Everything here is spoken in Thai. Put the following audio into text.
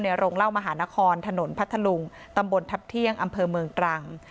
โรงเล่ามหานครถนนพัทธลุงตำบลทัพเที่ยงอำเภอเมืองตรัง